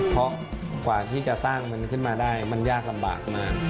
เพราะกว่าที่จะสร้างมันขึ้นมาได้มันยากลำบากมาก